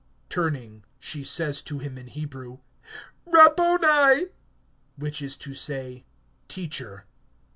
Turning, she says to him in Hebrew: Rabboni! (which is to say, Teacher!)